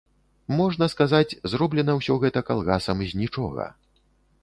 Можна сказаць, зроблена ўсё гэта калгасам з нічога.